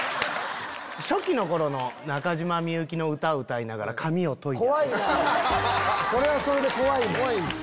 初期の頃の中島みゆきの歌歌いながら髪をといてあげる。